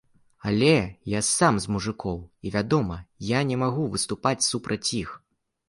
Але я сам з мужыкоў, і, вядома, я, не магу выступаць супраць іх.